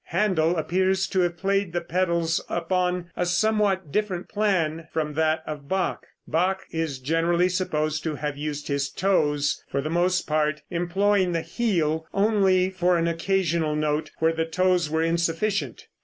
Händel appears to have played the pedals upon a somewhat different plan from that of Bach. Bach is generally supposed to have used his toes for the most part, employing the heel only for an occasional note where the toes were insufficient.